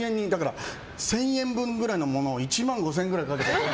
１０００円分くらいのものを１万５０００円くらいかけて。